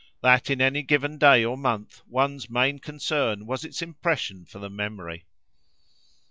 —that in any given day or month one's main concern was its impression for the memory.